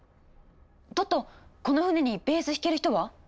トットこの船にベース弾ける人は？